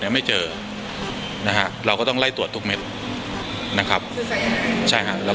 เนี่ยไม่เจอนะฮะเราก็ต้องไล่ตรวจทุกเม็ดนะครับใช่แล้ว